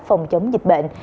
phòng chống dịch bệnh